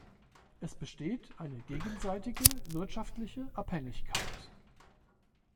Es besteht eine gegenseitige wirtschaftliche Abhängigkeit.